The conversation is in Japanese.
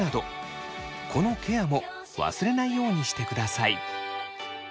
このケアも忘れないようにしてください。